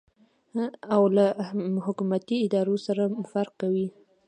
او له حکومتي ادارو سره فرق کوي.